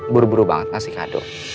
buru buru banget nasi kado